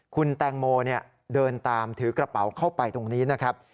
คุณแตงโมเดินตามถือกระเป๋าเข้าไปตรงนี้นะครับ